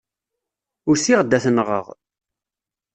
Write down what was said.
Usiɣ-d ad t-nɣeɣ.